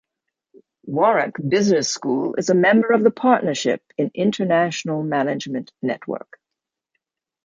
Warwick Business School is a member of the Partnership in International Management network.